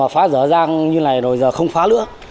phá rõ ràng như này rồi giờ không phá nữa